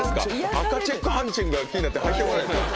赤チェックハンチングが気になって入ってこない。